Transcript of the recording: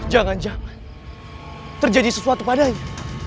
jangan jangan terjadi sesuatu padanya